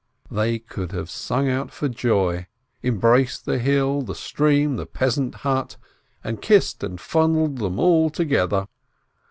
They could have sung out for joy, embraced the hill, the stream, the peasant huts, and kissed and fondled them all together.